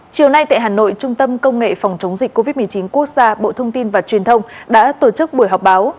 chiều nay tại hà nội trung tâm công nghệ phòng chống dịch covid một mươi chín quốc gia bộ thông tin và truyền thông đã tổ chức buổi họp báo